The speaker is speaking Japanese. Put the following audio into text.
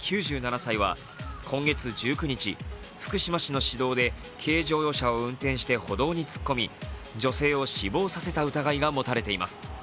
９７歳は今月１９日、福島市の市道で軽乗用車を運転して歩道に突っ込み、女性を死亡させた疑いが持たれています。